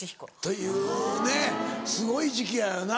というねすごい時期やよな。